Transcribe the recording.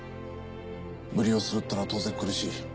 無理をするっていうのは当然苦しい。